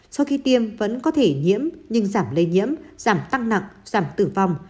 sau khi tiêm vẫn có thể nhiễm nhưng giảm lây nhiễm giảm tăng nặng giảm tử vong